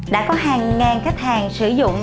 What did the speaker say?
đã có hàng ngàn khách hàng sử dụng